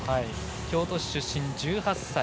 京都市出身、１８歳。